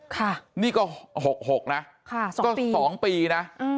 ค่ะนี่ก็๖๖นะค่ะ๒ปีก็๒ปีนะ